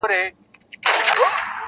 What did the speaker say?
سړي وایې موږکانو دا کار کړﺉ,